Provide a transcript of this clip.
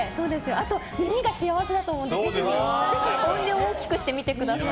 あと、耳が幸せだと思うのでぜひ音量を大きくしてみてください。